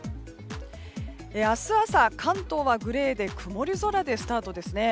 明日朝、関東はグレーで曇り空でスタートですね。